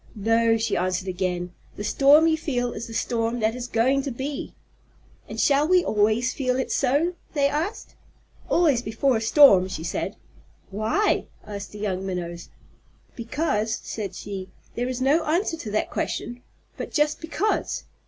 "No," she answered again. "The storm you feel is the storm that is going to be." "And shall we always feel it so?" they asked. "Always before a storm," she said. "Why?" asked the young Minnows. "Because," said she. "There is no answer to that question, but just 'because.'